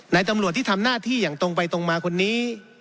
ตำรวจที่ทำหน้าที่อย่างตรงไปตรงมาคนนี้